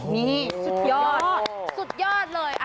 นี่สุดยอดสุดยอดเลย